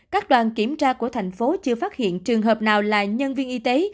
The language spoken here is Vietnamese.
các đoàn kiểm tra của thành phố chưa phát hiện trường hợp nào là nhân viên y tế